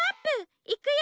いくよ！